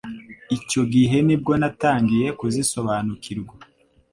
icyo gihe ni bwo natangiye kuzisobanukirwa